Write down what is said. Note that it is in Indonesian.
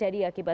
di sisi sepuluh